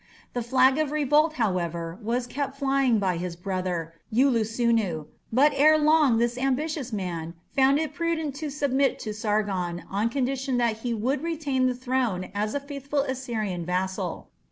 The flag of revolt, however, was kept flying by his brother, Ullusunu, but ere long this ambitious man found it prudent to submit to Sargon on condition that he would retain the throne as a faithful Assyrian vassal.